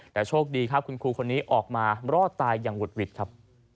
แต่โชคดีครับคุณครูคนนี้ออกมารอดตายอย่างหุดหวิดครับ